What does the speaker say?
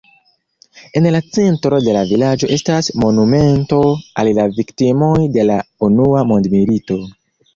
En centro de la vilaĝo estas monumento al la viktimoj de la unua mondmilito.